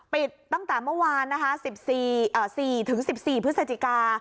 ตั้งแต่เมื่อวานนะคะ๑๔๑๔พฤศจิกา